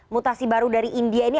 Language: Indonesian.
mutasi baru dari india ini